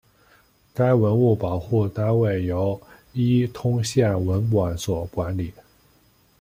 该文物保护单位由伊通县文管所管理。